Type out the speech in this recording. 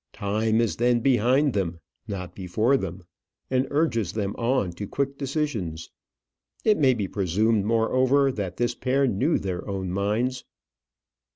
Time is then behind them, not before them; and urges them on to quick decisions. It may be presumed, moreover, that this pair knew their own minds.